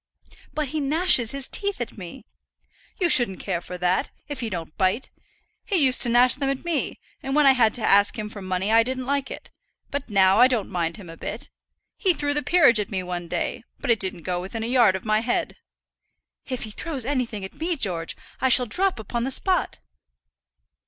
"But he gnashes his teeth at me." "You shouldn't care for that, if he don't bite. He used to gnash them at me; and when I had to ask him for money I didn't like it; but now I don't mind him a bit. He threw the peerage at me one day, but it didn't go within a yard of my head." "If he throws anything at me, George, I shall drop upon the spot."